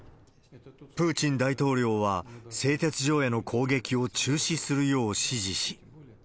プーチン大統領は、製鉄所への攻撃を中止するよう指示し。